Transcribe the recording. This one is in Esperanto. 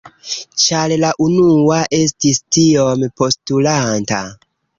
Ĉar la unua estis tiom postulanta.